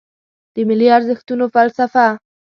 د ملي ارزښتونو فلسفه